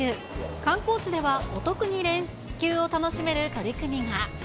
観光地ではお得に連休を楽しめる取り組みが。